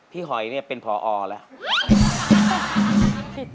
พี่หอยเป็นผอแล้ว